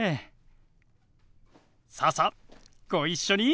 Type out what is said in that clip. さあさあご一緒に！